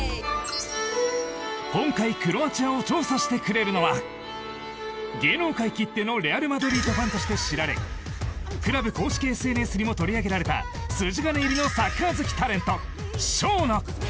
今回クロアチアを調査してくれるのは芸能界きってのレアル・マドリードファンとして知られクラブ公式ＳＮＳにも取り上げられた筋金入りのサッカー好きタレント